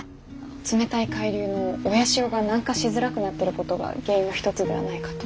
冷たい海流の親潮が南下しづらくなってることが原因の一つではないかと。